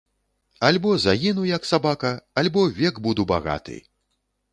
Альбо загіну, як сабака, альбо век буду багаты!